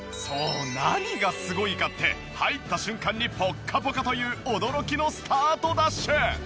そう何がすごいかって入った瞬間にポッカポカという驚きのスタートダッシュ。